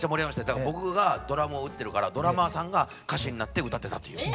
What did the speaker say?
だから僕がドラムを打ってるからドラマーさんが歌手になって歌ってたという。